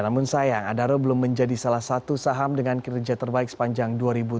namun sayang adaro belum menjadi salah satu saham dengan kinerja terbaik sepanjang dua ribu delapan belas